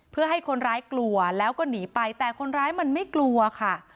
เพื่อให้คนร้ายกลัวแล้วก็หนีไปแต่คนร้ายมันไม่กลัวค่ะ